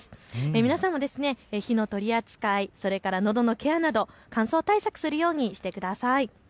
皆さんも火の取り扱い、それからのどのケアなど乾燥対策をするようにしてください。